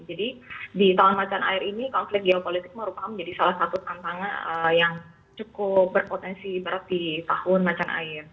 jadi di tahun macan air ini konflik geopolitik merupakan menjadi salah satu tantangan yang cukup berpotensi berat di tahun macan air